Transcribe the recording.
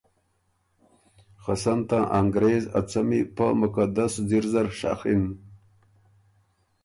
خه سن ته انګرېز ا څمی پۀ مقدس ځِر زر شخِن۔